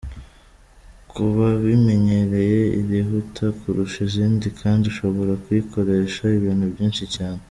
Ku babimenyereye, irihuta kurusha izindi kandi ushobora kuyikoresha ibintu byinshi cyane.